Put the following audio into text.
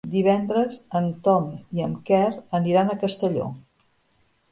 Divendres en Tom i en Quer aniran a Castelló.